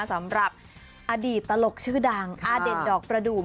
สำหรับอดีตตลกชื่อดังอาเด่นดอกประดูก